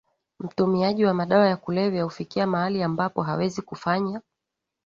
Mtumiaji wa madawa ya kulevya hufikia mahali ambapo hawezi kufanya